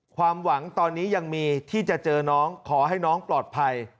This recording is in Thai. ความหวังตอนนี้ยังมีที่จะเจอน้องขอให้น้องปลอดภัย